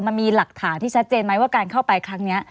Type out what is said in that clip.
มันมีหลักฐานที่ชัดเจนไหมว่าการเข้าไปครั้งนี้